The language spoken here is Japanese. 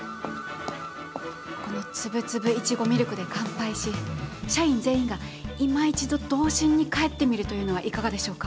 このつぶつぶいちごミルクで乾杯し社員全員がいま一度童心に返ってみるというのはいかがでしょうか。